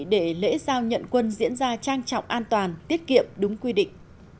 để lễ giao nhận quân diễn ra trang trọng an toàn tiết kiệm đúng quy định